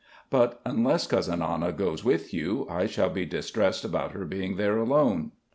But unless Cousin Anna goes with you, I shall be distressed about her being there alone.